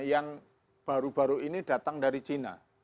yang baru baru ini datang dari cina